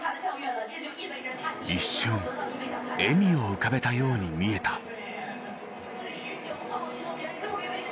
一瞬笑みを浮かべたように見えた。